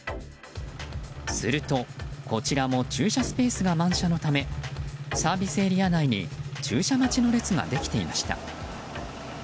すると、こちらも駐車スペースが満車のためサービスエリア内に駐車待ちの列ができていました。